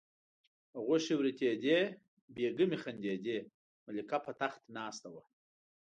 غوښې وریتېدې بیګمې خندېدې ملکه په تخت ناسته وه.